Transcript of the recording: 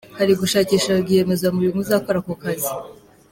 Hari gushakishwa rwiyemezamirimo uzakora ako kazi.